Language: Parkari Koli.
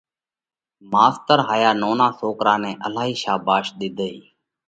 ماستر هايا نونا سوڪرا نئہ الهائي شاڀاش ۮِيڌئي